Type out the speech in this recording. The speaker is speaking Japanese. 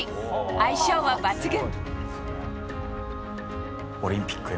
相性は抜群。